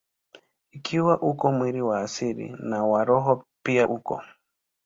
Ikiwa uko mwili wa asili, na wa roho pia uko.